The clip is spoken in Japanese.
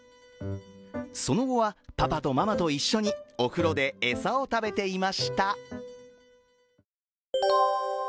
その後は、パパとママと一緒に、お風呂で餌を食べていました。